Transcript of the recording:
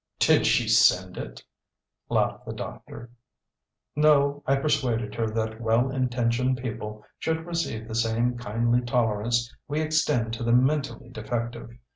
"Did she send it?" laughed the doctor. "No. I persuaded her that well intentioned people should receive the same kindly tolerance we extend to the mentally defective.